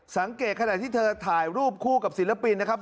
สังเกตขนาดที่เธอถ่ายรูปคู่กับศิลปินนะครับ